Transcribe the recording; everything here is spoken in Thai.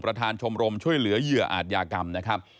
ชมรมช่วยเหลือเหยื่ออาจยากรรมนะครับ